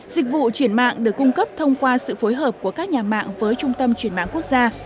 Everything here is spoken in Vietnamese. dịch vụ chuyển mạng được cung cấp thông qua sự phối hợp của các nhà mạng với trung tâm chuyển mạng quốc gia